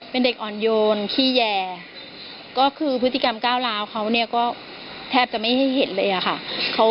เป็นเด็กอ่อนโยนขี้แย่ก็คือพฤติกรรมก้าวร้าวเขาเนี่ยก็แทบจะไม่ให้เห็นเลยอะค่ะ